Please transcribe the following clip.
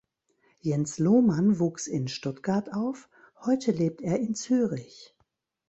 Jens Lohmann wuchs in Stuttgart auf, heute lebt er in Zürich.